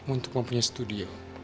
untuk mempunyai studio